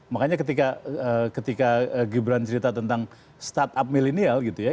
makanya ketika gibran cerita tentang start up millennial gitu ya